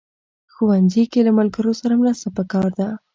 ښوونځی کې له ملګرو سره مرسته پکار ده